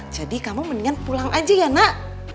jadi kamu mendingan pulang aja ya nak